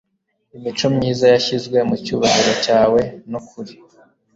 Imico myiza yashyizwe mucyubahiro cyawe no kuri